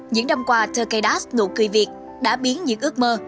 những năm qua tkdas nụ cười việt đã biến những ước mơ